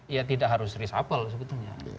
ya tidak harus resapel sebetulnya